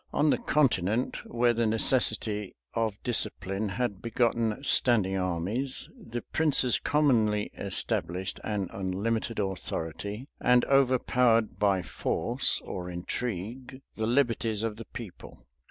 On the continent, where the necessity of discipline had begotten standing armies, the princes commonly established an unlimited authority, and overpowered, by force or intrigue, the liberties of the people.